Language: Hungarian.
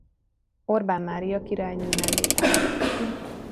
Orbán Mária királynő mellé állt.